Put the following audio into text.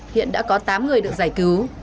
hiện đã có tám người được giải cứu